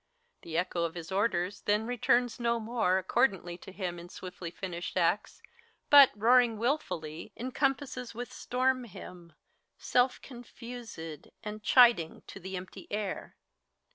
The echo of his orders tTien returns no more Accordantly to him in swiftly finished acts, But, roaring wilfully, encompasses with storm Him, self confused, and chiding to the empty air.